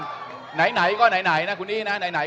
คุณจิลายุเขาบอกว่ามันควรทำงานร่วมกัน